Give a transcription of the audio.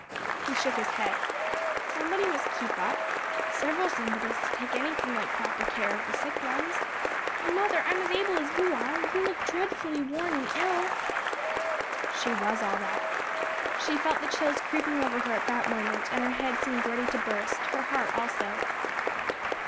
He shook his head. "Somebody must keep up; several somebodies to take anything like proper care of the sick ones. And, mother, I'm as able as you are; you look dreadfully worn and ill." She was all that; she felt the chills creeping over her at that moment, and her head seemed ready to burst; her heart also.